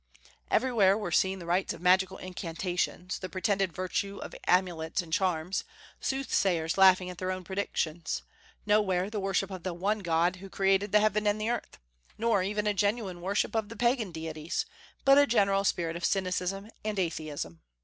Everywhere were seen the rites of magical incantations, the pretended virtue of amulets and charms, soothsayers laughing at their own predictions, nowhere the worship of the one God who created the heaven and the earth, nor even a genuine worship of the Pagan deities, but a general spirit of cynicism and atheism.